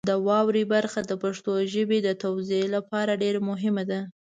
د واورئ برخه د پښتو ژبې د توزیع لپاره ډېره مهمه ده.